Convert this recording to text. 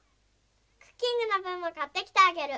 クッキングのぶんもかってきてあげる。